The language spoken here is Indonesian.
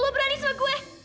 lo berani sama gue